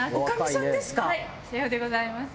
さようでございます。